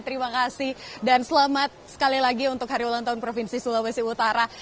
terima kasih dan selamat sekali lagi untuk hari ulang tahun provinsi sulawesi utara